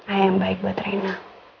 ayah yang baik buat reina